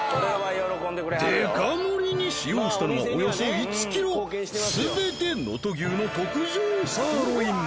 デカ盛に使用したのはおよそ１キロ全て能登牛の特上サーロイン